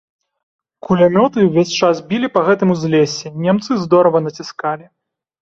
Кулямёты ўвесь час білі па гэтым узлессі, немцы здорава націскалі.